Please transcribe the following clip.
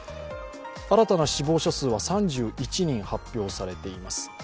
新たな死亡者数は３１人発表されています。